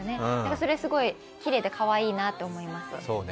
それすごいきれいでかわいいなと思います。